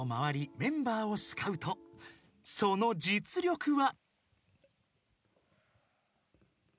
［その実力は］